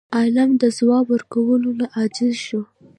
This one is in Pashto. عالم د ځواب ورکولو نه عاجز شو.